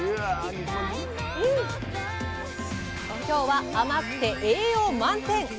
今日は甘くて栄養満点！